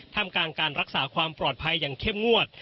ทำกลางการรักษาความปลอดภัยอย่างเข้มงวด